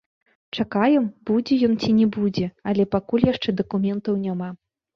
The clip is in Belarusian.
Чакаем, будзе ён ці не будзе, але пакуль яшчэ дакументаў няма.